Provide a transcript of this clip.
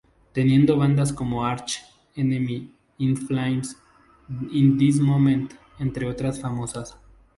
Teniendo bandas como Arch Enemy, In Flames, In This Moment, entre otras famosas.